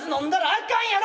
あかんやろ！